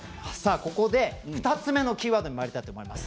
ここで、２つ目のキーワードにまいりたいと思います。